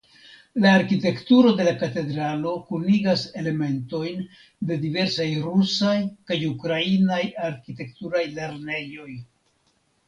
La arkitekturo de la katedralo kunigas elementojn de diversaj rusaj kaj ukrainaj arkitekturaj lernejoj.